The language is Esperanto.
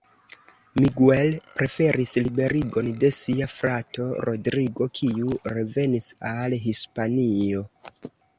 Miguel preferis liberigon de sia frato Rodrigo, kiu revenis al Hispanio.